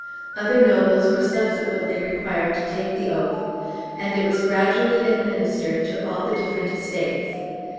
Other nobles were subsequently required to take the oath, and it was gradually administered to all the different Estates.